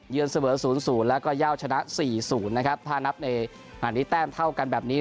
เยือนเสมอศูนย์ศูนย์แล้วก็เยาว์ชนะสี่ศูนย์นะครับถ้านับในหันนี้แต้มเท่ากันแบบนี้